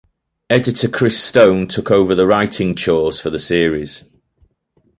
Editor Chris Stone took over the writing chores for the series.